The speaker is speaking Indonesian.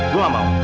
gue gak mau